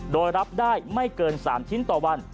โดยรับได้ไม่เกิน๓ชิ้นต่อวัน